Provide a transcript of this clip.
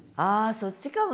そっちかもね。